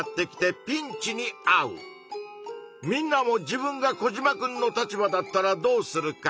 みんなも自分がコジマくんの立場だったらどうするか？